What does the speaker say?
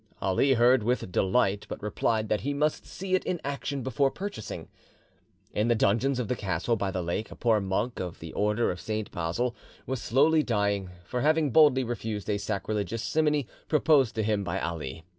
Ali heard with delight, but replied that he must see it in action before purchasing. In the dungeons of the castle by the lake, a poor monk of the order of St. Basil was slowly dying, for having boldly refused a sacrilegious simony proposed to him by Ali.